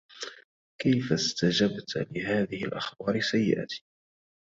كيف استجبت لهذه الأخبار السيئة.